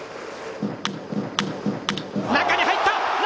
中に入った。